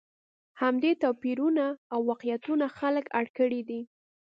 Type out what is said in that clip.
همدې توپیرونو او واقعیتونو خلک اړ کړي دي.